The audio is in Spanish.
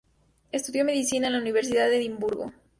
Estudió medicina en la Universidad de Edimburgo.